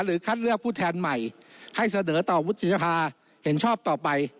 คัดเลือกผู้แทนใหม่ให้เสนอต่อวุฒิสภาเห็นชอบต่อไป